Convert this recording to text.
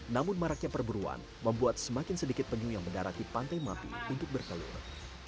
namun maraknya perburuan membuat semakin sedikit penyu yang mendarati pantai mampi untuk bertelur